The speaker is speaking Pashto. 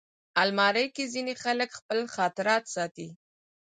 الماري کې ځینې خلک خپل خاطرات ساتي